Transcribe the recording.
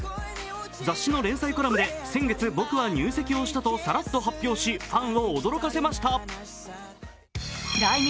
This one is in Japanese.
雑誌の連載コラムで、先月僕は入籍をしたとさらっと発表し、ファンを驚かせました。